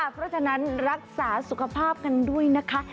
เพราะฉะนั้นรักษาสุขภาพกันด้วยนะคะ